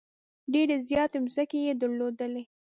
ډېرې زیاتې مځکې یې درلودلې.